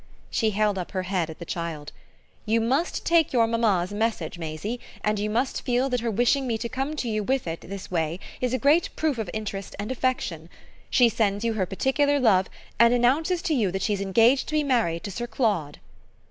She held up her head at the child. "You must take your mamma's message, Maisie, and you must feel that her wishing me to come to you with it this way is a great proof of interest and affection. She sends you her particular love and announces to you that she's engaged to be married to Sir Claude."